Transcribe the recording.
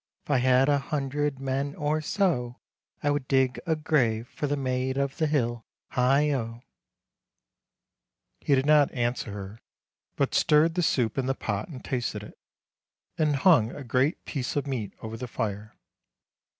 If I had a hundred men or so, I would dig a grave for the maid of the hill, higho !'" 328 THE LANE THAT HAD NO TURNING He did not answer her, but stirred the soup in the pot and tasted it, and hung a great piece of meat over the fire.